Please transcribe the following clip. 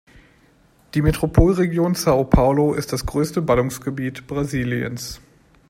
Die Metropolregion São Paulo ist das größte Ballungsgebiet Brasiliens.